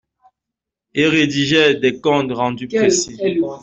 Il rédigeait des comptes rendus précis.